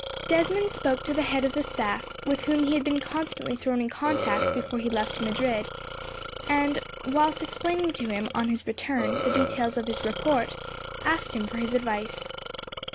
Desmond spoke to the head of the staff, with whom he had been constantly thrown in contact before he left Madrid, and whilst explaining to him, on his return, the details of his report, asked him for his advice.